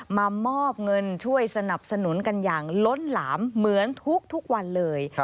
มามอบเงินช่วยสนับสนุนกันอย่างล้นหลามเหมือนทุกวันเลย